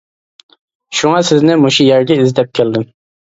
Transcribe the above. شۇڭا سىزنى مۇشۇ يەرگە ئىزدەپ كەلدىم.